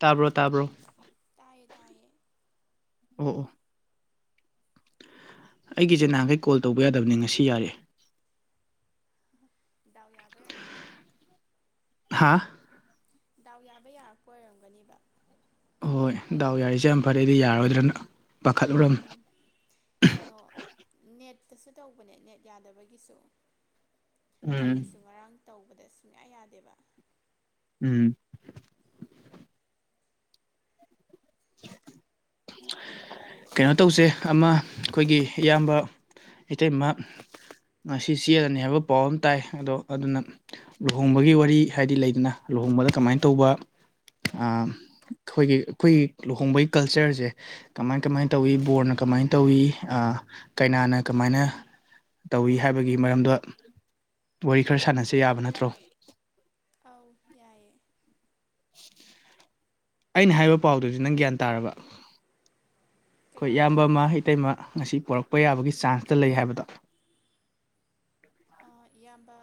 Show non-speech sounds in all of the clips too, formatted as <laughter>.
ꯇꯥꯕ꯭ꯔꯣ ꯇꯥꯕ꯭ꯔꯣ ꯇꯥꯏꯌꯦ ꯇꯥꯏꯌꯦ ꯑꯣ ꯑꯣ ꯑꯩꯒꯤꯁꯦ ꯅꯥꯍꯟꯈꯩ ꯀꯣꯜ ꯇꯧꯕ ꯌꯥꯗꯕꯅꯤ ꯉꯁꯤ ꯌꯥꯔꯛꯑꯦ ꯗꯥꯎ ꯌꯥꯕꯩ ꯑꯣꯏꯔꯝꯃꯅꯤ ꯍꯥꯥ ꯗꯥꯎ ꯌꯥꯕꯩ ꯌꯥꯔꯛꯄ ꯑꯣꯏꯔꯝꯒꯅꯤꯕ ꯍꯣꯏ ꯍꯥꯏꯗꯤ ꯗꯥꯎ ꯌꯥꯔꯤꯁꯦ ꯅꯦꯠ ꯌꯥꯝ ꯐꯔꯦ ꯑꯩꯗꯤ ꯌꯥꯔꯔꯣꯏꯗ꯭ꯔꯅ ꯄꯥꯈꯠꯂꯨꯔꯝꯅꯦ ꯎꯝ ꯀꯩꯅꯣ ꯅꯦꯠꯇꯁꯨ ꯇꯧꯕꯅꯦ ꯅꯦꯠ ꯌꯥꯗꯕꯒꯤꯁꯨ ꯎꯝ ꯑꯩꯒꯤꯁꯨ ꯉꯔꯥꯡ ꯇꯧꯕꯗ ꯁꯨꯡꯌꯥ ꯌꯥꯗꯦꯕ ꯎꯝ <unintelligible> ꯉꯍꯥꯛ ꯂꯩꯔꯒ ꯌꯥꯔꯛꯑꯦ ꯀꯩꯅꯣ ꯇꯧꯁꯦ ꯑꯃ ꯑꯩꯈꯣꯏꯒꯤ ꯏꯌꯥꯝꯕ ꯏꯇꯩꯃ ꯉꯁꯤ ꯆꯦꯜꯂꯅꯤ ꯍꯥꯏꯕ ꯄꯥꯎ ꯑꯝ ꯇꯥꯏ ꯑꯗꯣ ꯑꯗꯨꯅ ꯂꯨꯍꯣꯡꯕꯒꯤ ꯋꯥꯔꯤ ꯍꯥꯏꯗꯤ ꯂꯩꯗꯅ ꯂꯨꯍꯣꯡꯕꯗ ꯀꯃꯥꯏꯅ ꯇꯧꯕ ꯑꯥ ꯑꯩꯈꯣꯏꯒꯤ ꯑꯩꯈꯣꯏ ꯂꯨꯍꯣꯡꯕꯒꯤ ꯀꯜꯆꯔꯁꯦ ꯀꯃꯥꯏ ꯀꯃꯥꯏ ꯇꯧꯏ ꯕꯣꯔꯅ ꯀꯃꯥꯏꯅ ꯇꯧꯏ ꯀꯩꯅꯥꯅ ꯀꯃꯥꯏꯅ ꯇꯧꯏ ꯍꯥꯏꯕꯒꯤ ꯃꯔꯝꯗ ꯋꯥꯔꯤ ꯈꯔ ꯁꯥꯟꯅꯁꯤ ꯌꯥꯕ ꯅꯠꯇ꯭ꯔꯣ ꯑꯧ ꯌꯥꯏꯌꯦ <unintelligible> ꯑꯩꯅ ꯍꯥꯏꯕ ꯄꯥꯎꯗꯨꯗꯤ ꯅꯪ ꯒ꯭ꯌꯥꯟ ꯇꯥꯔꯕ ꯀꯩ ꯑꯩꯈꯣꯏ ꯄꯥꯎ ꯏꯌꯥꯝꯕ ꯑꯃ ꯏꯩꯇꯩꯃ ꯉꯁꯤ ꯄꯣꯔꯛꯄ ꯌꯥꯕꯒꯤ ꯆꯥꯟꯁꯇ ꯂꯩ ꯍꯥꯏꯕꯗꯣ ꯑꯥ ꯏꯌꯥꯝꯕ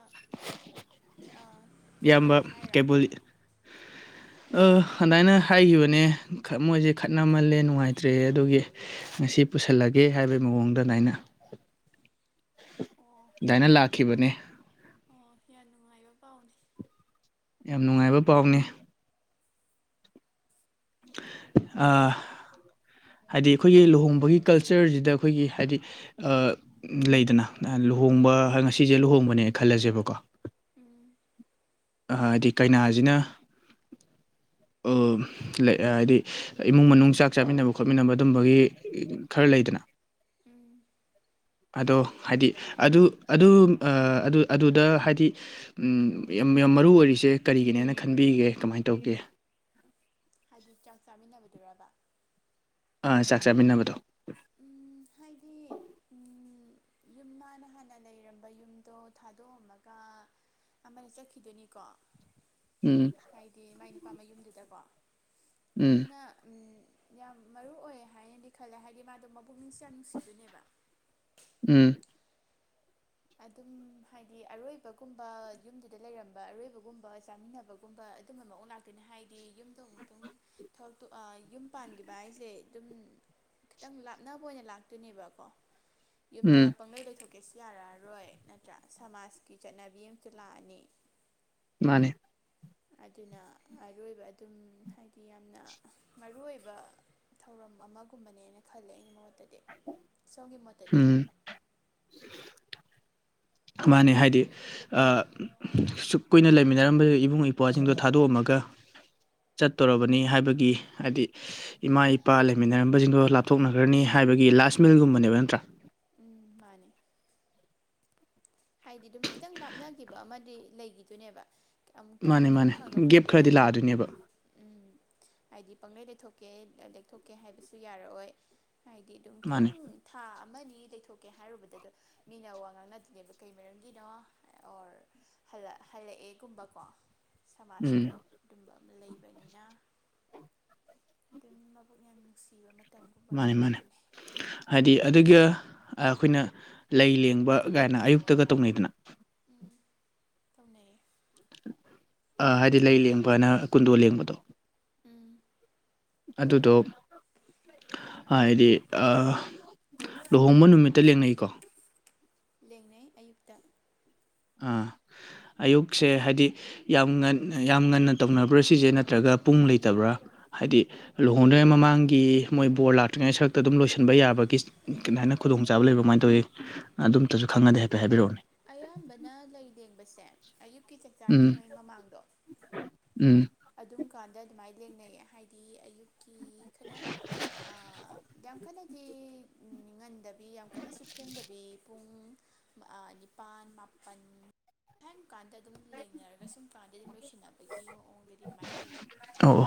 ꯏꯌꯥꯝꯕ ꯆꯦꯜꯂꯛꯀꯅꯤ ꯍꯥꯏꯔꯣ ꯀꯩꯕꯨꯜ <unintelligible> ꯑ ꯑꯗꯨꯗꯥꯏꯅ ꯍꯥꯏꯈꯤꯕꯅꯦ ꯃꯣꯏꯁꯦ ꯈꯠꯅꯃꯜꯂꯦ ꯅꯨꯡꯉꯥꯏꯇ꯭ꯔꯦ ꯑꯗꯨꯒꯤ ꯉꯁꯤ ꯄꯨꯁꯜꯂꯒꯦ ꯍꯥꯏꯕꯒꯤ ꯃꯑꯣꯡꯗ ꯑꯗꯥꯏꯅ ꯑꯣ ꯑꯗꯥꯏꯅ ꯌꯥꯝ ꯂꯥꯛꯈꯤꯕꯅꯦ ꯑꯣ ꯌꯥꯝ ꯅꯨꯡꯉꯥꯏꯕ ꯄꯥꯎꯅꯦ ꯌꯥꯝ ꯅꯨꯡꯉꯥꯏꯕ ꯄꯥꯎꯅꯤ ꯑꯥ ꯍꯥꯏꯗꯤ ꯑꯩꯈꯣꯏꯒꯤ ꯂꯨꯍꯣꯡꯕꯒꯤ ꯀꯜꯆꯔꯁꯤꯗ ꯑꯩꯈꯣꯏꯒꯤ ꯍꯥꯏꯗꯤ ꯂꯩꯗꯅ ꯂꯨꯍꯣꯡꯕ ꯉꯁꯤꯁꯦ ꯂꯨꯍꯣꯡꯕꯅꯦ ꯈꯜꯂꯁꯦꯕꯀꯣ ꯎꯝ ꯑ ꯍꯥꯏꯗꯤ ꯀꯩꯅꯥꯁꯤꯅ ꯑ ꯍꯥꯏꯗꯤ ꯏꯃꯨꯡ ꯃꯅꯨꯡ ꯆꯥꯛ ꯆꯥꯃꯤꯟꯅꯕ ꯈꯣꯠꯃꯤꯟꯅꯕ ꯑꯗꯨꯝꯕꯒꯤ ꯈꯔ ꯂꯩꯗꯅ ꯎꯝ ꯑꯗꯣ ꯂꯩꯌꯦ ꯍꯥꯏꯗꯤ ꯑꯗꯨ ꯑꯗꯨ ꯑꯗꯨꯗ ꯍꯥꯏꯗꯤ ꯎꯝ ꯌꯥꯝ ꯌꯥꯝ ꯃꯔꯨ ꯑꯣꯏꯔꯤꯁꯦ ꯀꯔꯤꯒꯤꯅꯦꯅ ꯈꯟꯕꯤꯒꯦ ꯀꯃꯥꯏꯅ ꯇꯧꯒꯦ ꯍꯥꯏꯗꯤ ꯆꯥꯛ ꯆꯥꯃꯤꯟꯅꯕꯗꯨꯔꯥꯕ ꯑꯥ ꯆꯥꯛ ꯆꯥꯃꯤꯟꯅꯕꯗꯣ ꯎꯝ ꯍꯥꯏꯗꯤ ꯎꯝ ꯌꯨꯝ ꯃꯟꯅ ꯍꯥꯟꯅ ꯂꯩꯔꯝꯕ ꯌꯨꯝꯗꯣ ꯊꯥꯗꯣꯛꯑꯝꯃꯒ ꯑꯃꯅ ꯆꯠꯈꯤꯗꯣꯏꯅꯤꯀꯣ ꯎꯝ ꯍꯥꯏꯗꯤ ꯃꯥꯏ ꯅꯨꯄꯥ ꯃꯌꯨꯝꯗꯨꯗꯀꯣ ꯎꯝ ꯑꯗꯨꯅ ꯌꯥꯝ ꯃꯔꯨ ꯑꯣꯏ ꯍꯥꯏꯅꯗꯤ ꯈꯜꯂꯦ ꯍꯥꯏꯗꯤ ꯃꯥꯗꯣ ꯃꯕꯛꯅꯤꯡꯁ ꯌꯥꯝ ꯅꯨꯡꯁꯤꯗꯣꯏꯅꯦꯕ ꯎꯝ ꯑꯗꯨꯝ ꯍꯥꯏꯗꯤ ꯑꯔꯣꯏꯕꯒꯨꯝꯕ ꯌꯨꯝꯗꯨꯗ ꯂꯩꯔꯝꯕ ꯑꯔꯣꯏꯕꯒꯨꯝꯕ ꯆꯥꯃꯤꯟꯅꯕꯒꯨꯝ ꯒꯨꯝꯕ ꯑꯗꯨꯝꯕ ꯃꯑꯣꯡ ꯂꯥꯛꯇꯣꯏꯅꯤ ꯍꯥꯏꯗꯤ ꯌꯨꯝꯗ ꯑꯃꯨꯛꯇꯪ ꯊꯕꯛꯇꯨ ꯑꯥ ꯌꯨꯝ ꯄꯥꯟꯈꯤꯕ ꯍꯥꯏꯁꯦ ꯑꯗꯨꯝ ꯈꯤꯇꯪ ꯂꯥꯞꯅꯕ ꯑꯣꯏꯅ ꯂꯥꯛꯇꯣꯏꯅꯦꯕꯀꯣ ꯌꯨꯝꯗ ꯎꯝ ꯄꯪꯂꯒꯩ ꯂꯩꯊꯣꯛꯀꯦꯁꯨ ꯌꯥꯔꯔ ꯔꯣꯏ ꯅꯠꯇ꯭ꯔꯥ ꯁꯃꯥꯖꯀꯤ ꯆꯠꯅꯕꯤ ꯑꯝꯁꯨ ꯂꯥꯛꯑꯅꯤ꯫ ꯃꯥꯅꯦ꯫ ꯑꯗꯨꯅ ꯑꯔꯣꯏꯕ ꯑꯗꯨꯝ ꯍꯥꯏꯗꯤ ꯌꯥꯝꯅ ꯃꯔꯨ ꯑꯣꯏꯕ꯫ ꯊꯧꯔꯝ ꯑꯃꯒꯨꯝꯕꯅꯦꯅ ꯈꯜꯂꯦ ꯑꯩꯒꯤ ꯃꯣꯠꯇꯗꯤ ꯁꯣꯝꯒꯤ ꯃꯣꯠꯇꯗꯤ꯫ ꯎꯝ꯫ ꯃꯥꯅꯦ ꯍꯥꯏꯗꯤ꯫ ꯑ ꯁꯨꯛ ꯀꯨꯏꯅ ꯂꯩꯃꯤꯟꯅꯔꯝꯕ ꯏꯕꯨꯡ ꯏꯄ꯭ꯋꯥꯁꯤꯡꯗꯣ ꯊꯥꯗꯣꯛꯑꯝꯃꯒ ꯆꯠꯇꯣꯔꯔꯕꯅꯤ ꯍꯥꯏꯕꯒꯤ ꯍꯥꯏꯗꯤ꯫ ꯏꯃꯥ ꯏꯄꯥ ꯂꯩꯃꯤꯟꯅꯔꯝꯕꯁꯤꯡꯗꯣ ꯂꯥꯞꯊꯣꯛꯅꯈ꯭ꯔꯅꯤ ꯍꯥꯏꯕꯒꯤ ꯂꯥꯁ ꯃꯤꯜꯒꯨꯝꯕꯅꯦꯕ ꯅꯠꯇ꯭ꯔꯥ꯫ ꯎꯝ ꯃꯥꯅꯦ꯫ ꯍꯥꯏꯗꯤ ꯑꯗꯨꯝ ꯈꯤꯇꯪ ꯂꯥꯞꯅꯈꯤꯕ ꯑꯃꯗꯤ ꯂꯩꯈꯤꯗꯨꯏꯅꯦꯕ꯫ ꯑꯃꯨꯛꯇꯪꯕꯨ ꯃꯥꯅꯦ ꯈꯣꯡ ꯃꯥꯅꯦ ꯒꯦꯞ ꯊꯥꯡꯗꯣꯛꯈ꯭ꯔꯗꯤ ꯈꯔꯗꯤ ꯅꯠꯇ꯭ꯔ꯫ ꯂꯥꯛꯑꯗꯣꯏꯅꯦꯕ ꯎꯝ ꯍꯥꯏꯗꯤ ꯄꯪꯂꯩ ꯂꯩꯊꯣꯛꯀꯦ ꯂꯦꯛꯊꯣꯛꯀꯦ ꯍꯥꯏꯕꯁꯨ ꯌꯥꯔꯛꯑꯣꯏ꯫ ꯍꯥꯏꯗꯤ ꯑꯗꯨꯝ ꯃꯥꯅꯦ ꯈꯤꯇꯪ ꯊꯥ ꯑꯃꯅꯤ ꯂꯩꯊꯣꯛꯀꯦ ꯍꯥꯏꯔꯨꯕꯗꯗ ꯃꯤꯅ ꯋꯥ ꯉꯥꯡꯅꯗꯨꯅꯦꯕ꯫ ꯀꯩ ꯃꯔꯝꯒꯤꯅꯣ ꯑꯣꯔ ꯍꯜꯂꯛ ꯍꯜꯂꯛꯑꯦꯒꯨꯝꯕꯀꯣ꯫ ꯎꯝ ꯁꯃꯥꯖꯇ ꯑꯗꯨꯝꯕ ꯑꯃ ꯂꯩꯕꯅꯤꯅ ꯑꯗꯨꯝ ꯃꯕꯨꯛ ꯌꯥꯝ ꯅꯨꯡꯁꯤꯕ ꯃ ꯇꯝꯒꯨꯝꯕ <unintelligible> ꯃꯥꯅꯦ ꯃꯥꯅꯦ ꯑꯣꯏꯗꯣꯏꯅꯦ꯫ ꯍꯥꯏꯗꯤ ꯑꯗꯨꯒ ꯑꯩꯈꯣꯏꯅ ꯂꯩ ꯂꯦꯡꯕ ꯀꯥꯏꯅ ꯑꯌꯨꯛꯇꯒ ꯇꯧꯅꯩꯗꯅ꯫ ꯎꯝ ꯇꯧꯅꯩꯌꯦ꯫ ꯑ ꯍꯥꯏꯗꯤ ꯂꯩ ꯂꯦꯡꯕꯅ ꯀꯨꯟꯗꯣ ꯂꯦꯡꯕꯗꯣ꯫ ꯎꯝ꯫ ꯑꯗꯨꯗꯣ꯫ ꯍꯥꯏꯗꯤ ꯑ ꯂꯨꯍꯣꯡꯕ ꯅꯨꯃꯤꯠꯇ ꯂꯦꯡꯅꯩꯀꯣ꯫ ꯂꯩꯡꯅꯩ ꯑꯌꯨꯛꯇ꯫ ꯑ ꯑꯌꯨꯛꯁꯦ ꯍꯥꯏꯗꯤ ꯌꯥꯝ ꯉꯟ ꯌꯥꯝ ꯉꯟꯅ ꯇꯧꯅꯕ꯭ꯔꯥ ꯁꯤꯁꯦ ꯅꯠꯇ꯭ꯔꯒ ꯄꯨꯡ ꯂꯩꯇꯕ꯭ꯔꯥ ꯍꯥꯏꯗꯤ ꯂꯨꯍꯣꯡꯗ꯭ꯔꯤꯉꯩ ꯃꯃꯥꯡꯒꯤ ꯃꯣꯏ ꯕꯣꯔ ꯂꯥꯛꯇ꯭ꯔꯤꯉꯩ ꯁꯔꯛꯇ ꯑꯗꯨꯝ ꯂꯣꯏꯁꯤꯟꯕ ꯌꯥꯕꯒꯤ <unintelligible> ꯍꯥꯏꯅ ꯈꯨꯗꯣꯡꯆꯥꯕ ꯂꯩꯕ꯭ꯔꯥ ꯀꯃꯥꯏꯅ ꯇꯧꯋꯤ ꯑꯗꯨꯝꯇꯁꯨ ꯈꯪꯉꯗꯤ ꯍꯥꯏꯐꯦꯠ ꯍꯥꯏꯕꯤꯔꯛꯎꯅꯦ꯫ ꯑꯌꯥꯝꯕꯅ ꯂꯩ ꯂꯦꯡꯕꯁꯦ ꯑꯌꯨꯛꯀꯤ ꯎꯝ ꯆꯥꯛꯆꯥꯗ꯭ꯔꯤꯉꯩ ꯃꯃꯥꯡꯗꯣ꯫ ꯎꯝ꯫ ꯑꯗꯨꯝ ꯀꯥꯟꯗ ꯑꯗꯨꯃꯥꯏꯅ ꯂꯦꯡꯅꯩꯌꯦ ꯍꯥꯏꯗꯤ ꯑꯌꯨꯛꯀꯤ ꯈꯔꯪ ꯑ ꯌꯥꯝ ꯀꯟꯅꯗꯤ ꯉꯟꯗꯕꯤ ꯌꯥꯝ ꯀꯟꯅꯁꯨ ꯊꯦꯡꯗꯕꯤ꯫ ꯄꯨꯡ ꯑ ꯅꯤꯄꯥꯟ ꯃꯥꯄꯟ꯫ <unintelligible> ꯀꯥꯟꯗ ꯑꯗꯨꯝ ꯂꯦꯡꯅꯔꯒ ꯁꯨꯝ ꯀꯥꯟꯗ ꯑꯗꯨꯝ ꯂꯣꯏꯁꯤꯟꯅꯕꯒꯤ ꯃꯑꯣꯡꯗꯗꯤ ꯑꯗꯨꯃꯥꯏ ꯎꯏꯌꯦ꯫ ꯑꯣꯑꯣ꯫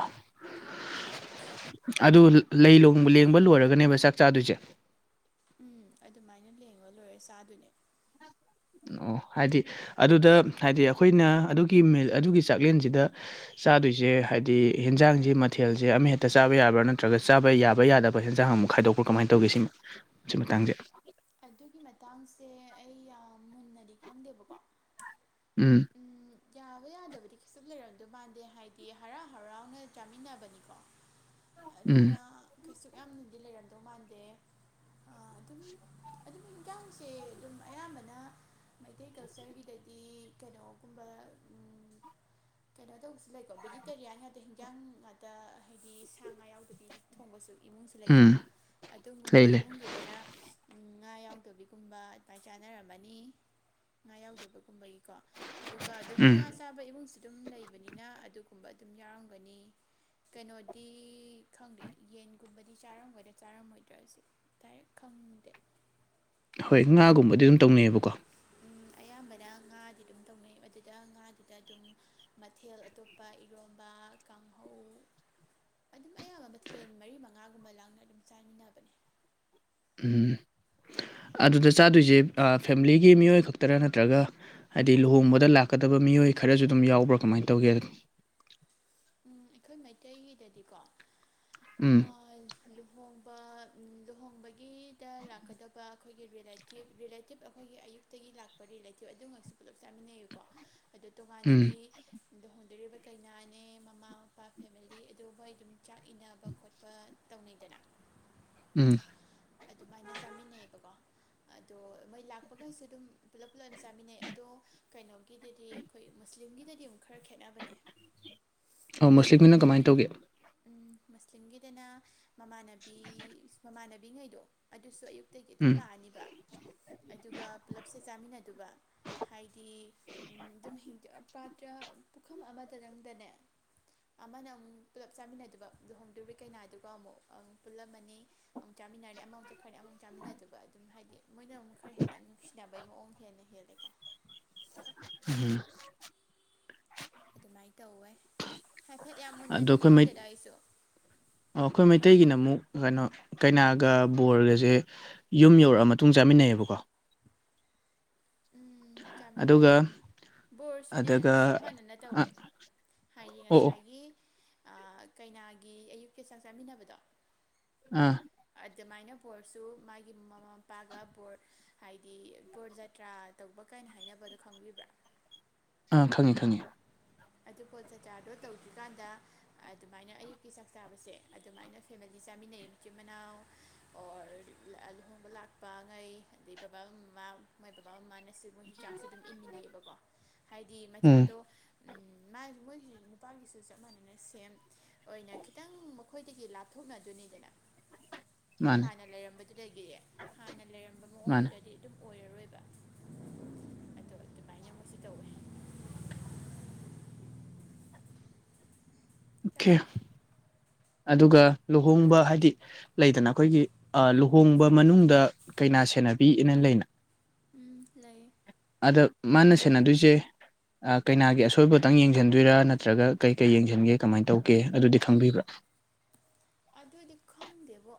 ꯑꯗꯨ ꯂꯩ ꯂꯣꯡ-ꯂꯦꯡꯕ ꯂꯣꯏꯔꯒꯅꯦꯕ ꯆꯥꯛ ꯆꯥꯗꯣꯏꯁꯦ꯫ ꯎꯝ ꯑꯗꯨꯃꯥꯏꯅ ꯂꯦꯡꯉ ꯂꯣꯏꯔ ꯆꯥꯗꯨꯏꯅꯦ꯫ ꯑꯣ ꯍꯥꯏꯗꯤ ꯑꯗꯨꯗ ꯍꯥꯏꯗꯤ ꯑꯩꯈꯣꯏꯅ ꯑꯗꯨꯒꯤ ꯃꯤꯜ ꯑꯗꯨꯒꯤ ꯆꯥꯛꯂꯦꯟꯁꯤꯗ ꯆꯥꯗꯣꯏꯁꯦ ꯍꯥꯏꯗꯤ ꯍꯦꯟꯖꯥꯡꯁꯤ ꯃꯊꯦꯜꯁꯦ ꯑꯃꯍꯦꯛꯇ ꯆꯥꯕ ꯌꯥꯕ꯭ꯔꯥ ꯅꯠꯇ꯭ꯔꯒ ꯆꯥꯕ ꯌꯥꯕ ꯌꯥꯗ ꯕ ꯍꯦꯟꯁꯥꯡ ꯑꯃꯨꯛ ꯈꯥꯏꯗꯣꯛꯄ꯭ꯔ ꯀꯃꯥꯏꯅ ꯇꯧꯒꯦ ꯁꯤ ꯁꯤ ꯃꯇꯥꯡꯁꯦ꯫ ꯑꯗꯨꯒꯤ ꯃꯇꯥꯡꯁꯦ ꯑꯩ ꯌꯥꯝ ꯃꯨꯟꯅꯗꯤ ꯈꯪꯗꯦꯕꯀꯣ꯫ ꯎꯝ꯫ ꯌꯥꯕ ꯌꯥꯗꯕꯗꯤ ꯀꯩꯁꯨꯝ ꯂꯩꯔꯝꯗꯣꯏ ꯃꯥꯟꯗꯦ ꯍꯥꯏꯗꯤ ꯍꯔꯥꯎ ꯍꯔꯥꯎꯅ ꯆꯥꯃꯤꯟꯅꯕꯅꯤꯀꯣ꯫ ꯎꯝ ꯑꯗꯨꯅ ꯀꯩꯁꯨꯛ ꯌꯥꯝꯅꯗꯤ ꯂꯩꯔꯝꯗꯧ ꯃꯥꯟꯗꯦ꯫ ꯑꯗꯨꯝ ꯑꯗꯨꯝ ꯏꯟꯖꯥꯡꯁꯦ ꯑꯗꯨꯝ ꯑꯌꯥꯝꯕꯅ ꯃꯩꯇꯩ ꯀꯜꯆꯔꯒꯤꯗꯗꯤ ꯀꯩꯅꯣꯒꯨꯝꯕ ꯀꯩꯅꯣ ꯇꯧꯕꯁꯨ ꯂꯩꯀꯣ ꯚꯦꯖꯤꯇꯦꯔꯤꯌꯥꯟ ꯍꯥꯏꯗ ꯍꯤꯟꯖꯥꯡ ꯉꯥꯛꯇ ꯍꯥꯏꯗꯤ ꯁꯥ ꯉꯥ ꯌꯥꯎꯗꯗꯤ ꯊꯣꯡꯕꯁꯨ ꯏꯃꯨꯡꯁꯨ ꯂꯩꯀꯣ ꯎꯝ ꯑꯗꯨꯒꯨꯝꯕ ꯂꯩ ꯂꯩ ꯏꯃꯨꯡꯒꯤꯗꯅ ꯉꯥ ꯌꯥꯎꯗꯕꯤꯒꯨꯝꯕ ꯑꯗꯨꯃꯥꯏ ꯆꯥꯅꯔꯝꯃꯅꯤ ꯉꯥ ꯌꯥꯎꯗꯕꯒꯨꯝꯕꯒꯤ ꯀꯣ ꯑꯗꯨꯒ ꯑꯗꯨꯝ ꯎꯝ ꯉꯥ ꯆꯥꯕ ꯏꯃꯨꯡꯁꯨ ꯑꯗꯨꯝ ꯂꯩꯕꯅꯤꯅ ꯑꯗꯨꯒꯨꯝꯕ ꯑꯗꯨꯝ ꯌꯥꯎꯔꯝꯒꯅꯤ ꯀꯩꯅꯣꯗꯤ ꯈꯪꯗꯦ ꯌꯦꯟꯒꯨꯝꯕꯗꯤ ꯆꯥꯔꯝꯒꯗ꯭ꯔꯥ ꯆꯥꯔꯝꯃꯣꯏꯗ꯭ꯔꯁꯦ ꯗꯥꯏꯔꯦꯛ ꯈꯪꯗꯦ ꯍꯣꯏ ꯉꯥꯒꯨꯝꯕꯗꯤ ꯑꯗꯨꯝ ꯇꯧꯅꯩꯌꯦꯕꯀꯣ ꯎꯝ ꯑꯌꯥꯝꯕꯅ ꯉꯥꯗꯤ ꯑꯗꯨꯝ ꯇꯧꯅꯩ ꯑꯗꯨꯗ ꯉꯥꯗꯨꯗ ꯑꯗꯨꯝ ꯃꯊꯦꯜ ꯑꯇꯣꯞꯄ ꯏꯔꯣꯝꯕ ꯀꯥꯡꯍꯧ ꯑꯗꯨꯝ ꯑꯌꯥꯝꯕ ꯃꯊꯦꯟ ꯃꯔꯤ ꯃꯉꯥꯒꯨꯝꯕ ꯂꯥꯡꯅ ꯑꯗꯨꯝ ꯆꯥꯃꯤꯟꯅꯕꯅꯦ ꯎꯝ ꯑꯗꯨꯗ ꯆꯥꯗꯣꯏꯁꯦ ꯑ ꯐꯦꯃꯤꯂꯤꯒꯤ ꯃꯤꯑꯣꯏ ꯈꯛꯇꯔꯥ ꯅꯠꯇ꯭ꯔꯒ ꯍꯥꯏꯗꯤ ꯂꯨꯍꯣꯡꯕꯗ ꯂꯥꯛꯀꯗꯕ ꯃꯤꯑꯣꯏ ꯈꯔꯁꯨ ꯑꯗꯨꯝ ꯌꯥꯎꯕ꯭ꯔꯥ ꯀꯃꯥꯏ ꯇꯧꯒꯦ ꯑꯩꯈꯣꯏ ꯃꯩꯇꯩꯒꯤꯗꯗꯤꯀꯣ ꯎꯝ ꯂꯨꯍꯣꯡꯕ ꯂꯨꯍꯣꯡꯕꯒꯤꯗ ꯂꯥꯛꯀꯗꯕ ꯑꯩꯈꯣꯏꯒꯤ ꯔꯤꯂꯦꯇꯤꯞ ꯔꯤꯂꯦꯇꯤꯞ ꯑꯩꯈꯣꯏꯒꯤ ꯑꯌꯨꯛ ꯇꯒꯤ ꯂꯥꯛꯄ ꯔꯤꯂꯦꯇꯤꯚ ꯑꯗꯨꯃꯛꯁꯨ ꯄꯨꯜꯂꯞ ꯆꯥꯃꯤꯟꯅꯩꯌꯦꯀꯣ ꯑꯗꯨ ꯎꯝ ꯇꯣꯉꯥꯟꯅꯗꯤ ꯂꯧꯍꯣꯡꯗꯣꯔꯤꯕ ꯀꯩꯅꯥꯅꯦ ꯃꯃꯥ ꯃꯄꯥ ꯐꯦꯃꯤꯂꯤ ꯑꯗꯨ ꯃꯣꯏ ꯑꯗꯨꯝ ꯆꯥꯛ ꯏꯟꯅꯕ ꯈꯣꯠꯄ ꯇꯧꯅꯩꯗꯅ ꯎꯝ ꯑꯗꯨꯃꯥꯏꯅ ꯆꯥꯃꯤꯟꯅꯩꯌꯦꯕꯀꯣ ꯑꯗꯣ ꯃꯣꯏ ꯂꯥꯛꯄꯒꯁꯨ ꯑꯗꯨꯝ ꯄꯨꯂꯞ ꯄꯨꯂꯞ ꯆꯥꯃꯤꯟꯅꯩ ꯑꯗꯣ ꯀꯩꯅꯣꯒꯤꯗꯗꯤ ꯑꯩꯈꯣꯏ ꯃꯨꯁꯂꯤꯝꯒꯤꯗꯗꯤ ꯑꯃꯨꯛ ꯈꯔ ꯈꯦꯠꯅꯕꯅꯦ ꯑꯣ ꯃꯨꯁꯂꯤꯝꯒꯤꯅ ꯃꯨꯁꯂꯤꯝꯒꯤꯗꯅ ꯀꯃꯥꯏꯅ ꯇꯧꯒꯦ ꯎꯝ ꯃꯨꯁꯂꯤꯝꯒꯤꯗꯅ ꯃꯃꯥꯟꯅꯕꯤ ꯃꯃꯥꯟꯅꯕꯤꯉꯩꯗꯣ ꯑꯗꯨꯁꯨ ꯑꯌꯨꯛ ꯇꯒꯤ ꯑꯗꯨꯝ ꯎꯝ ꯂꯥꯛꯑꯅꯤꯕ ꯑꯗꯨꯒ ꯄꯨꯂꯞꯁꯦ ꯆꯥꯃꯤꯟꯅꯗꯕ ꯍꯥꯏꯗꯤ ꯑꯗꯨꯝ ꯄꯥꯇ꯭ꯔ ꯄꯨꯈꯝ ꯑꯃꯗꯗꯪꯗꯅꯦ ꯑꯃꯅ ꯑꯃꯨꯛ ꯄꯨꯂꯞ ꯆꯥꯃꯤꯟꯅꯗꯣꯏꯕ ꯂꯨꯍꯣꯡꯗꯨꯔꯤ ꯀꯩꯅꯥꯗꯨꯒ ꯑꯃꯨꯛ ꯄꯨꯜꯂꯝꯃꯅꯤ ꯑꯃꯨꯛ ꯆꯥꯃꯤꯟꯅꯔꯦ ꯑꯃꯐꯨꯛ ꯆꯠꯈꯔꯦ ꯑꯃꯨꯐꯨꯛ ꯆꯥꯃꯤꯟꯅꯗꯕ ꯑꯗꯨꯝ ꯍꯥꯏꯗꯤ ꯃꯣꯏꯅ ꯑꯃꯨꯛ ꯈꯔ ꯍꯦꯟꯅ ꯅꯨꯡꯁꯤꯅꯕꯩ ꯃꯑꯣꯡ ꯍꯦꯟꯅ ꯍꯦꯜꯂꯦꯀꯣ ꯎꯝ ꯗꯨꯃꯥꯏ ꯇꯧꯋꯦ ꯍꯥꯏꯐꯦꯠ ꯌꯥꯝ ꯑꯗꯣ ꯃꯨꯟꯅꯗꯤ ꯑꯩꯈꯣꯏ ꯃꯩ ꯈꯪꯗꯦꯗ ꯑꯩꯁꯨ ꯑꯣ ꯑꯩꯈꯣꯏ ꯏꯃꯥꯅ ꯃꯩꯇꯩꯒꯤꯅ ꯑꯃꯨꯛ ꯀꯩꯅꯣ ꯀꯩꯅꯥꯒ ꯕꯣꯔꯒꯁꯦ ꯌꯨꯝ ꯌꯧꯔꯛꯑ ꯃꯇꯨꯡ ꯆꯥꯃꯤꯟꯅꯩꯌꯦꯕꯀꯣ ꯎꯝ ꯆꯥꯃꯤꯟꯅꯩ ꯑꯗꯨꯒ ꯕꯣꯔꯁꯨꯅꯦ ꯑꯗꯨꯒ ꯆꯞ ꯃꯥꯟꯅꯅ ꯑ ꯇꯧꯋꯦ ꯍꯥꯏꯌꯦ ꯑꯣ ꯑꯣ ꯉꯁꯥꯏꯒꯤ ꯀꯩꯅꯥꯒꯤ ꯑꯌꯨꯛꯀꯤ ꯆꯥꯛ ꯆꯥꯃꯤꯟꯅꯕꯗꯣ ꯑꯥ ꯑꯗꯨꯃꯥꯏꯅ ꯕꯣꯔꯁꯨ ꯃꯥꯒꯤ ꯃꯃꯥ ꯃꯄꯥꯒ ꯕꯣꯔ ꯍꯥꯏꯗꯤ ꯕꯣꯔ ꯖꯇ꯭ꯔꯥ ꯇꯧꯕ ꯀꯥꯏꯅ ꯍꯥꯏꯅꯕꯗꯣ ꯈꯪꯕꯤꯕ꯭ꯔꯥ ꯑꯥ ꯈꯪꯉꯤ ꯈꯪꯉꯤ ꯑꯗꯨ ꯕꯣꯔ ꯖꯥꯇꯔꯗꯣ ꯇꯧꯗ꯭ꯔꯤꯀꯥꯟꯗ ꯑꯗꯨꯃꯥꯏꯅ ꯑꯌꯨꯛꯀꯤ ꯆꯥꯛ ꯆꯥꯕꯁꯦ ꯑꯗꯨꯃꯥꯏꯅ ꯐꯦꯃꯤꯂꯤ ꯆꯥꯃꯤꯟꯅꯩ ꯃꯆꯤꯟ ꯃꯅꯥꯎ ꯑꯣꯔ ꯂꯨꯍꯣꯡꯕ ꯂꯥꯛꯄ ꯉꯩ ꯑꯗꯩ ꯕꯕꯥ ꯃꯃꯥ ꯃꯣꯏ ꯕꯕꯥ ꯃꯃꯥꯅꯁꯨ ꯃꯣꯏꯁꯨ ꯆꯥꯛꯁꯦ ꯑꯗꯨꯝ ꯏꯟꯃꯤꯟꯅꯩꯌꯦꯕꯀꯣ ꯍꯥꯏꯗꯤ ꯎꯝ ꯃꯆꯥꯗꯣ ꯃꯥꯥꯏ ꯃꯣꯏꯁꯤ ꯅꯨꯄꯥꯒꯤꯁꯨ ꯆꯞ ꯃꯥꯟꯅꯅ ꯁꯦꯝ ꯑꯣꯏꯅ ꯈꯤꯇꯪ ꯃꯈꯣꯏꯗꯒꯤ ꯂꯥꯞꯊꯣꯛꯅꯗꯣꯏꯅꯤꯗꯅ ꯃꯥꯅꯦ ꯍꯥꯟꯅ ꯂꯩꯔꯝꯕꯗꯨꯗꯒꯤ ꯍꯥꯟꯅ ꯂꯩꯔꯝꯕ ꯃꯥꯅꯦ ꯃꯑꯣꯡꯗꯨꯗꯗꯤ ꯑꯗꯨꯝ ꯑꯣꯏꯔꯔꯣꯏꯕ ꯑꯗꯣ ꯑꯗꯨꯃꯥꯏꯅꯃꯛꯨꯁꯨ ꯇꯧꯌꯦ ꯆꯞ ꯑꯣꯀꯦ ꯃꯥꯟꯅꯩ ꯑꯗꯨꯒ ꯂꯨꯍꯣꯡꯕ ꯍꯥꯏꯗꯤ ꯂꯩꯗꯅ ꯑꯩꯈꯣꯏꯒꯤ ꯑ ꯂꯨꯍꯣꯡꯕ ꯃꯅꯨꯡꯗ ꯀꯩꯅꯥ ꯁꯦꯟꯅꯕꯤꯑꯅ ꯂꯩꯅ ꯎꯝ ꯂꯩꯌꯦ ꯑꯗ ꯃꯥꯅ ꯁꯦꯟꯅꯗꯣꯏꯖꯦ ꯑ‌ꯀꯩꯅꯥꯒꯤ ꯑꯁꯣꯏꯕꯇꯪ ꯌꯦꯡꯖꯟꯗꯣꯏꯔꯥ ꯅꯠꯇ꯭ꯔꯒ ꯀꯩ ꯀꯩ ꯌꯦꯡꯖꯟꯒꯦ ꯀꯃꯥꯏꯅ ꯇꯧꯒꯦ ꯑꯗꯨꯗꯤ ꯈꯪꯕꯤꯕ꯭ꯔꯥ ꯑꯗꯨꯗꯤ ꯈꯪꯗꯦꯕꯣ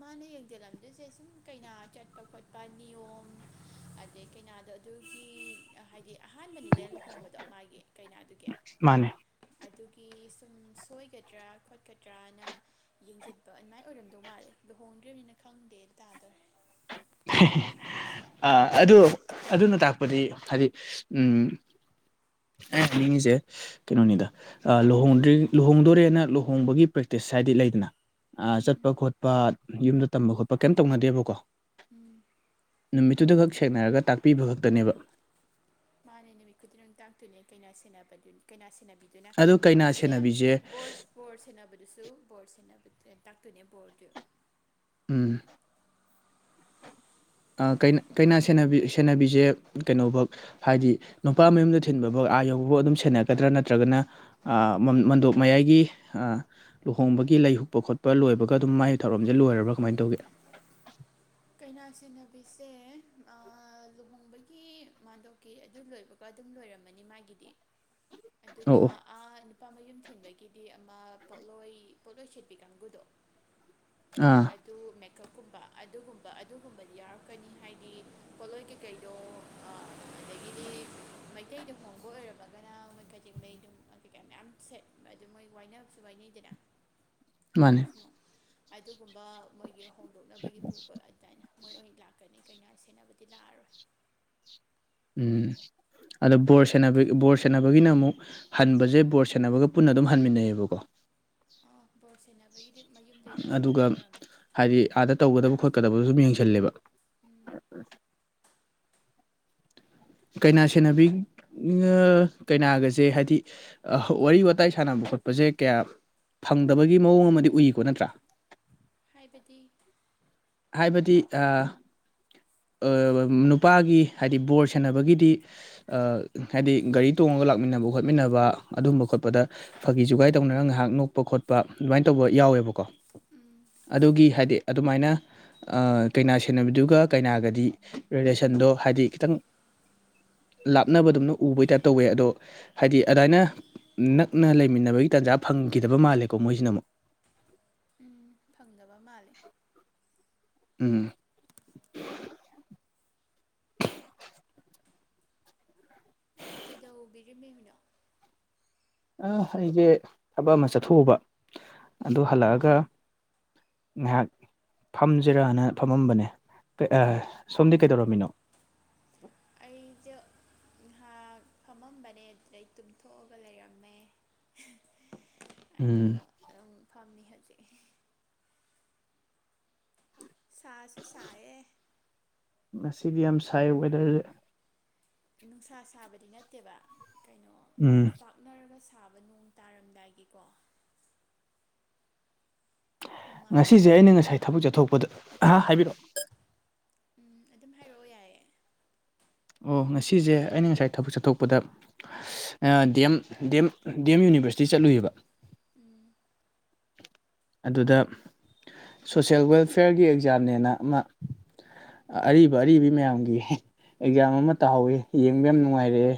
ꯃꯥꯅ ꯌꯦꯡꯖꯜꯂꯝꯗꯣꯏꯁꯦ ꯁꯨꯝ ꯀꯩꯅꯥ ꯆꯠꯄ ꯈꯣꯠ ꯄꯥ ꯅꯤꯌꯣꯝ ꯑꯗꯩ ꯀꯩꯅꯗꯣ ꯑꯗꯨꯒꯤ ꯍꯥꯏ ꯗꯤ ꯑꯍꯥꯟꯕꯅꯤꯗ ꯂꯨꯍꯣꯡꯕꯗꯣ ꯃꯥꯒꯤ ꯀꯩꯅꯥꯗꯨꯒꯤ ꯃꯥꯅꯦ ꯑꯗꯨꯒꯤ ꯁꯨꯝ ꯁꯣꯏꯒꯗ꯭ꯔꯥ ꯈꯣꯠꯀꯗ꯭ꯔꯅ ꯌꯦꯡꯖꯤꯟꯄ ꯑꯗꯨꯃꯥꯏꯅ ꯑꯣꯏꯔꯝꯗꯧ ꯃꯥꯜꯂꯦ ꯍꯣꯡꯗ꯭ꯔꯔꯤꯕꯅꯤꯅ ꯈꯪꯗꯦ ꯗꯨ ꯇꯥꯗꯣꯔꯦ ꯑ ꯑꯗꯨ ꯑꯗꯨꯅ ꯇꯥꯛꯄꯗꯤ ꯍꯥꯏꯗꯤ ꯎꯝ ꯑꯩ ꯍꯥꯏꯅꯤꯡꯉꯤꯖꯦ ꯀꯩꯅꯣꯅꯤꯗ ꯑ ꯂꯨꯍꯣꯡꯗ꯭ꯔꯤ ꯂꯨꯍꯣꯡꯗꯣꯔꯦꯅ ꯂꯨꯍꯣꯡꯕꯒꯤ ꯄ꯭ꯔꯦꯛꯇꯤꯁ ꯍꯥꯏꯗꯤ ꯂꯩꯗꯅ ꯑ ꯆꯠꯄ ꯈꯣꯠꯄ ꯌꯨꯝꯗ ꯇꯝꯕ ꯈꯣꯠꯄ ꯀꯩꯝ ꯇꯧꯅꯗꯦꯕꯀꯣ ꯎꯝ ꯅꯨꯃꯤꯠꯇꯨꯗ ꯈꯛ ꯁꯦꯡꯅꯔꯒ ꯇꯥꯛꯄꯤꯕ ꯈꯛꯇꯅꯦꯕ ꯃꯥꯅꯦ ꯅꯨꯃꯤꯠ ꯈꯨꯗꯤꯡꯔꯡ ꯇꯥꯛꯇꯨꯅꯦ ꯀꯩꯅ ꯁꯦꯟꯅꯕ ꯗꯨ ꯀꯩꯅꯥ ꯁꯦꯟꯅꯕꯤ ꯗꯨꯅ ꯑꯗꯣ ꯀꯩꯅꯥ ꯑꯣꯔ ꯁꯦꯝ ꯁꯦꯟꯅꯕꯤꯁꯦ ꯕꯣꯔꯁ ꯕꯣꯔ ꯁꯦꯟꯅꯕꯗꯨꯁꯨ ꯕꯣꯔ ꯁꯦꯟꯅꯕ ꯇꯥꯛꯇꯣꯏꯅꯦ ꯕꯣꯔꯗꯨ ꯎꯝ ꯑ ꯀꯩꯅ ꯀꯩꯅ ꯁꯦꯟꯅꯕꯤ ꯁꯦꯟꯅꯕꯤꯁꯦ ꯀꯩꯅꯣꯕꯧ ꯍꯥꯏꯗꯤ ꯅꯨꯄꯥ ꯃꯌꯨꯝꯗ ꯊꯤꯟꯕꯕꯧ ꯑꯥ ꯌꯧꯕꯕꯧ ꯑꯗꯨꯝ ꯁꯦꯟꯅꯒꯗ꯭ꯔꯥ ꯅꯠꯇ꯭ꯔꯒꯅ ꯑ ꯃꯟ ꯃꯟꯗꯣꯞ ꯃꯌꯥꯏꯒꯤ ꯑ ꯂꯨꯍꯣꯡꯕꯒꯤ ꯂꯩ ꯍꯨꯛꯄ ꯈꯣꯠꯄ ꯂꯣꯏꯕꯒ ꯑꯗꯨꯝ ꯃꯥꯏ ꯊꯧꯔꯝꯖꯦ ꯂꯣꯏꯔꯕꯥ ꯀꯃꯥꯏ ꯇꯧꯒꯦ ꯀꯩꯅꯥ ꯁꯦꯟꯅꯕꯤꯁꯦ ꯑ ꯂꯨꯍꯣꯡꯕꯒꯤ ꯃꯥꯟꯗꯣꯞꯀꯤ ꯑꯗꯨ ꯂꯣꯏꯕ ꯑꯗꯨꯝ ꯂꯣꯏꯔꯝꯃꯅꯤ ꯃꯥꯒꯤꯗꯤ <inaudible> ꯑꯗꯨꯒ ꯑꯧ ꯑꯥ ꯅꯨꯄꯥ ꯃꯌꯨꯝ ꯊꯤꯟꯕꯒꯤꯗꯤ ꯑꯃ ꯄꯣꯠꯂꯣꯏ ꯄꯣꯠꯂꯣꯏ ꯁꯦꯠꯄꯤ ꯀꯥꯡꯒꯨꯗꯣ ꯑꯥ ꯇꯨ ꯃꯦꯛꯀꯞꯀꯨꯝꯕ ꯑꯗꯨꯒꯨꯝ ꯑꯗꯨꯒꯨꯝꯕꯗꯤ ꯌꯥꯎꯔꯛꯀꯅꯤ ꯍꯥꯏꯗꯤ ꯄꯣꯠꯂꯣꯏ ꯀꯩꯀꯩꯗꯣ ꯑ‌ ꯑꯗꯒꯤꯗꯤ ꯇꯩꯗ ꯍꯣꯡꯕ ꯑꯣꯏꯔꯝꯃꯒꯅ ꯃꯣꯏ ꯀꯖꯦꯡ ꯂꯩꯩ ꯑꯗꯨꯝ ꯀꯩꯀꯩ ꯃꯌꯥꯝ ꯁꯦꯠ ꯑꯗꯨꯝ ꯃꯣꯏ ꯋꯥꯏꯅꯕꯁꯨ ꯋꯥꯏꯅꯩꯗꯅ <inaudible> ꯗ꯭ꯔꯦꯁꯅꯣꯡ ꯑꯗꯨꯒꯨꯝꯕ ꯃꯣꯏꯒꯤ ꯍꯣꯡꯗꯣꯛꯅꯕꯒꯤ ꯄꯨꯕ ꯑꯗꯥꯏꯅ ꯃꯣꯏ ꯑꯣꯏꯅ ꯂꯥꯛꯀꯅꯤ ꯀꯩꯅ ꯁꯦꯟꯅꯕꯗꯤ ꯂꯥꯛꯑꯔꯣꯏ ꯎꯝ ꯑꯗꯣ ꯕꯣꯔ ꯁꯦꯟꯅꯕ ꯕꯣꯔ ꯁꯦꯟꯅꯕꯒꯤꯅ ꯑꯃꯨꯛ ꯍꯟꯕꯖꯦ ꯕꯣꯔ ꯁꯦꯟꯅꯕꯒ ꯄꯨꯟꯅ ꯑꯗꯨꯝ ꯍꯟꯃꯤꯟꯅꯩꯌꯦꯕꯀꯣ ꯑ ꯕꯣꯔ ꯁꯦꯟꯅꯕꯒꯤꯗꯤ ꯃꯌꯨꯝꯗꯩ ꯂꯥꯛꯃꯤꯟꯅꯕꯩ ꯑꯗꯨꯒ ꯑꯣꯏꯒꯅꯤ ꯍꯥꯏꯗꯤ ꯑꯥꯗ ꯇꯧꯒꯗꯕ ꯈꯣꯠꯀꯗꯕ ꯁꯨꯝ ꯌꯦꯡꯁꯜꯂꯦꯕ ꯎꯝ ꯀꯩꯅꯥ ꯁꯦꯟꯅꯕꯤ ꯉꯥ ꯀꯩꯅꯥꯒꯁꯦ ꯍꯥꯏꯗꯤ ꯋꯥꯔꯤ ꯋꯥꯇꯥꯏ ꯁꯥꯟꯅꯕ ꯈꯣꯠꯄꯖꯦ ꯀꯌꯥ ꯐꯪꯗꯕꯒꯤ ꯃꯑꯣꯡ ꯑꯃꯗꯤ ꯎꯏꯀꯣ ꯅꯠꯇ꯭ꯔꯥ ꯍꯥꯏꯕꯗꯤ ꯍꯥꯏꯕꯗꯤ ꯑꯥ ꯑ ꯅꯨꯄꯥꯒꯤ ꯍꯥꯏꯗꯤ ꯕꯣꯔ ꯁꯦꯟꯅꯕꯒꯤꯗꯤ ꯑ ꯍꯥꯏꯗꯤ ꯒꯥꯔꯤ ꯇꯣꯡꯉꯒ ꯂꯥꯛꯃꯤꯟꯅꯕ ꯈꯣꯠꯃꯤꯟꯅꯕ ꯑꯗꯨꯝꯕ ꯈꯣꯠꯄꯗ ꯐꯥꯒꯤ ꯖꯨꯒꯥꯏ ꯇꯧꯅꯔꯒ ꯉꯥꯏꯍꯥꯛ ꯅꯣꯛꯄ ꯈꯣꯠꯄ ꯑꯗꯨꯃꯥꯏꯅ ꯇꯧꯕ ꯌꯥꯎꯋꯦꯕꯀꯣ ꯎꯝ ꯑꯗꯨꯒꯤ ꯍꯥꯏꯗꯤ ꯑꯗꯨꯃꯥꯏꯅ ꯑ ꯀꯩꯅꯥ ꯁꯦꯟꯅꯕꯤꯗꯨꯒ ꯀꯩꯅꯥꯒꯗꯤ ꯔꯤꯂꯦꯁꯟꯗꯣ ꯍꯥꯏꯗꯤ ꯈꯤꯇꯪ ꯂꯥꯞꯅꯕꯗꯨꯝꯅ ꯎꯕꯩ ꯇꯥꯏꯞ ꯇꯧꯋꯦ ꯑꯗꯣ ꯍꯥꯏꯗꯤ ꯑꯗꯥꯏꯅ ꯅꯛꯅ ꯂꯩꯃꯤꯟꯅꯕꯒꯤ ꯇꯟꯖꯥ ꯐꯪꯈꯤꯗꯕ ꯃꯥꯜꯂꯦꯀꯣ ꯃꯣꯏꯖꯤꯅ ꯑꯃꯨꯛ ꯎꯝ ꯐꯪꯗꯕ ꯃꯥꯜꯂꯦ ꯎꯝ <inaudible> ꯀꯩꯗꯧꯕꯤꯔꯤꯃꯤꯃꯤꯅꯣ ꯑ ꯑꯩꯖꯦ ꯊꯕꯛ ꯑꯃ ꯆꯠꯊꯣꯛꯎꯕ ꯑꯗꯨ ꯍꯜꯂꯛꯑꯒ ꯉꯥꯏꯍꯥꯛ ꯐꯝꯖꯤꯔꯅ ꯐꯝꯃꯝꯕꯅꯦ ꯑ ꯁꯣꯝꯗꯤ ꯀꯩꯗꯧꯔꯝꯃꯤꯅꯣ ꯑꯩꯖꯨ ꯉꯍꯥꯛ ꯐꯝꯃꯝꯕꯅꯦ ꯑꯗꯨꯗꯩ ꯇꯨꯝꯊꯣꯛꯑꯒ ꯂꯩꯔꯝꯃꯦ <inaudible> ꯑꯗꯨꯒ ꯑꯗꯨꯝ ꯐꯝꯃꯤ ꯍꯧꯖꯤꯛ ꯁꯥꯁꯨ ꯁꯥꯏꯌꯦ ꯉꯁꯤꯗꯤ ꯌꯥꯝ ꯁꯥꯏ ꯋꯦꯗ꯭ꯔꯖ‌ꯦ ꯅꯨꯡꯁꯥ ꯁꯥꯕꯗꯤ ꯅꯠꯇꯦꯕ ꯀꯩꯅꯣ ꯎꯝ ꯑꯣꯝꯆꯥꯛ ꯎꯅꯔꯒ ꯁꯥꯕ ꯅꯣꯡ ꯇꯥꯔꯝꯗꯥꯏꯒꯤꯀꯣ ꯍꯨꯃꯥꯡ ꯉꯁꯤꯖ‌ꯦ ꯑꯩꯅ ꯁꯧꯔꯤꯔꯥ ꯉꯁꯥꯏ ꯊꯕꯛ ꯆꯠꯊꯣꯛꯄꯗ ꯑꯍ ꯍꯥꯏꯕꯤꯔ‌ꯣ ꯎꯝ ꯑꯗꯨꯝ ꯍꯥꯏꯔꯛꯑꯣ ꯌꯥꯏꯌꯦ ꯑꯣ ꯉꯁꯤꯖ‌ꯦ ꯑꯩꯅ ꯉꯁꯥꯏ ꯊꯕꯛ ꯆꯠꯊꯣꯛꯄꯗ ꯑ ꯗꯤꯑꯦꯝ ꯗꯦꯝ ꯗꯤꯑꯦꯝ ꯌꯨꯅꯤꯚ꯭ꯔꯁꯤꯇꯤ ꯆꯠꯂꯨꯏꯕ ꯎꯝ ꯑꯗꯨꯗ ꯁꯣꯁꯦꯜ ꯋꯦꯜꯐꯤꯌ꯭ꯔꯒꯤ ꯑꯦꯛꯖꯥꯝꯅꯦꯅ ꯑꯃ ꯑꯔꯤꯕ ꯑꯔꯤꯕꯤ ꯃꯌꯥꯝꯒꯤ ꯑꯦꯛꯖꯥꯝ ꯑꯃ ꯇꯥꯍꯧꯋꯤ ꯌꯦꯡꯕ ꯌꯥꯝ ꯅꯨꯡꯉꯥꯏꯔꯛꯑꯦ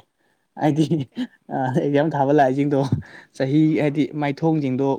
ꯑꯥꯏꯗꯤ ꯀꯩ ꯑ ꯑꯦꯛꯖꯥꯝ ꯊꯥꯕ ꯂꯥꯛꯏꯖꯤꯡꯗꯣ ꯆꯍꯤ ꯍꯥꯏꯗꯤ ꯃꯥꯏꯊꯣꯡꯖꯤꯡꯗꯣ